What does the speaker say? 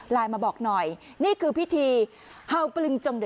ไลน์มาบอกหน่อยนี่คือพิธีฮาวปลึงจงดิ